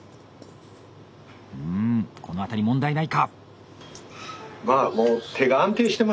うんこの辺り問題ないか。